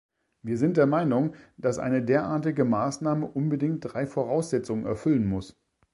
Wir sind der Meinung, dass eine derartige Maßnahme unbedingt drei Voraussetzungen erfüllen muss.